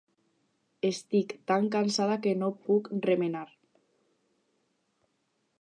Estic tan cansada que no puc remenar!